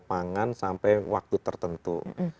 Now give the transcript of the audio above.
pangan sampai waktu tertentu